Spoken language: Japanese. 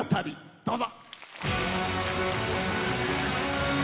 どうぞ。